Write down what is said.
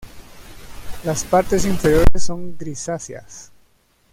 Las partes inferiores son grisáceas.